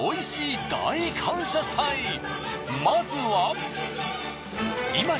まずは。